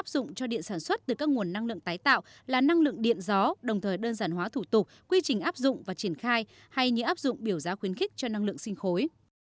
đồng thời đơn giản hóa thủ tục quy trình áp dụng và triển khai hay như áp dụng biểu giá khuyến khích cho năng lượng sinh khối